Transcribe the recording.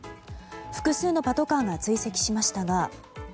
複数のパトカーが追跡しましたが。